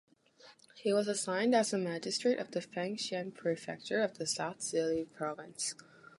He was assigned as the magistrate of the Fengxiang Prefecture of the South Zhili Province.